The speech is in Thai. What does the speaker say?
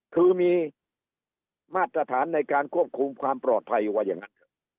คือมีมาตรฐานในการควบคุมความปลอดภัยว่าอย่างนั้นเถอะ